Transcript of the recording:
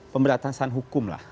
pemberantasan hukum lah